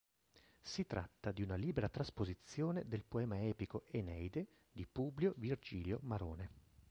Si tratta di una libera trasposizione del poema epico "Eneide" di Publio Virgilio Marone.